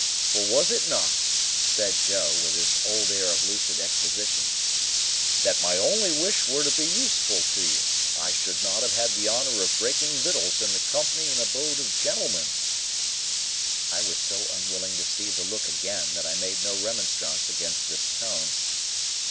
For was it not," said Joe, with his old air of lucid exposition, "that my only wish were to be useful to you, I should not have had the honour of breaking wittles in the company and abode of gentlemen." I was so unwilling to see the look again, that I made no remonstrance against this tone.